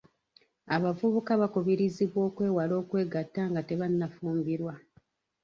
Abavubuka bakubirizibwa okwewala okwegatta nga tebannafumbirwa.